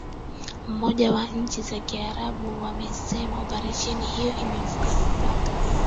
moja wa nchi za kiarabu wasema oparesheni hiyo imevuka mipaka